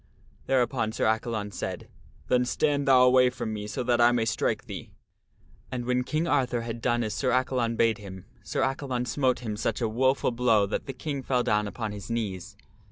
Thereupon Sir Accalon said, " Then stand thou away from me so that I may strike thee." And, when King Arthur had done as Sir Accalon bade him, Sir Accalon smote him such a woful blow that the King fell down upon his knees.